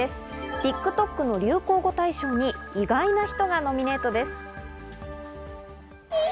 ＴｉｋＴｏｋの流行語大賞に意外な人がノミネートです。